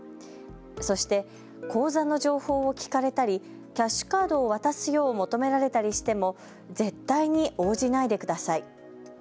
そして口座の情報を聞かれたりキャッシュカードを渡すよう求められたりしても絶対に応じないでください。